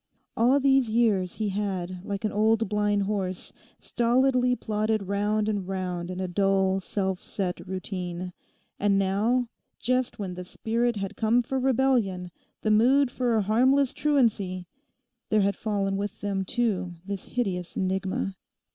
All these years he had, like an old blind horse, stolidly plodded round and round in a dull self set routine. And now, just when the spirit had come for rebellion, the mood for a harmless truancy, there had fallen with them too this hideous enigma.